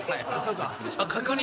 確認？